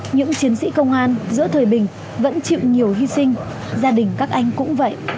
những chiến sĩ công an giữa thời bình vẫn chịu nhiều hy sinh gia đình các anh cũng vậy